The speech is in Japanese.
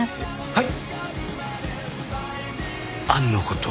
はい。